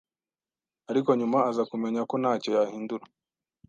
ariko nyuma aza kumenya ko ntacyo yahindura